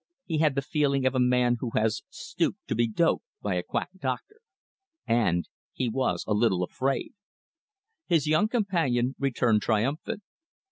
He had the feeling of a man who has stooped to be doped by a quack doctor. And he was a little afraid. His young companion returned triumphant.